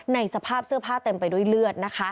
สภาพเสื้อผ้าเต็มไปด้วยเลือดนะคะ